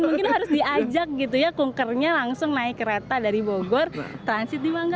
mungkin harus diajak gitu ya kunkernya langsung naik kereta dari bogor transit di mangga